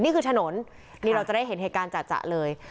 นี่คือถนนนี่เราจะได้เห็นเหตุการณ์จ่ะเลย